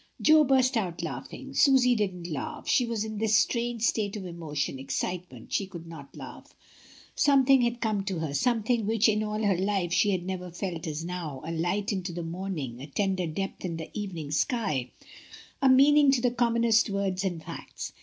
Jo burst out laughing. Susy didn't laugh; she was in this strange state of emotion, excitement, she could not laugh. Something had come to her, something which in all her life she had never felt as now, a light into the morning, a tender depth in the evening sky, a meaning to the commonest words and facts.